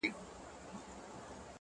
د گريوان ډورۍ ته دادی ځان ورسپاري”